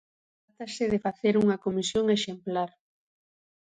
Trátase de facer unha comisión exemplar.